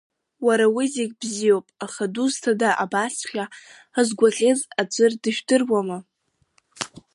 Уара уи зегьы бзиоуп, аха дызусҭа абасҵәҟьа ҳазгәаӷьыз аӡәыр дыжәдыруама?